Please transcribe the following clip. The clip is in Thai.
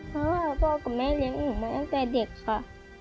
เพราะว่าพ่อกับแม่เลี้ยงหนูมาตั้งแต่เด็กค่ะ